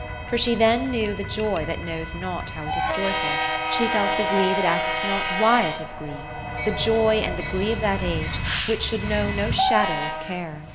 For she then knew the joy that knows not how it is joyful ; she felt the glee that asks not why it is glee, — the joy and the glee of that age which should know no shadow of care.